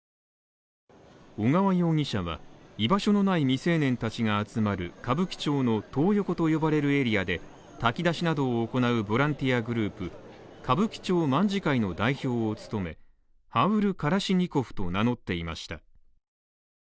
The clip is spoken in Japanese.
小川容疑者は居場所のない未成年たちが集まる歌舞伎町のトー横と呼ばれるエリアで炊き出しなどを行うボランティアグループ、歌舞伎町卍会の代表を務め、ハウル・カラシニコフと名乗っていました。